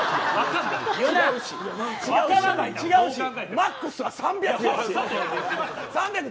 違うしマックスは３００。